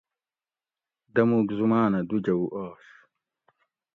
دمُوک زماۤنہ دو جؤو آش